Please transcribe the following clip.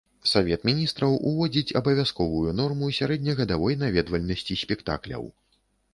Савет міністраў уводзіць абавязковую норму сярэднегадавой наведвальнасці спектакляў.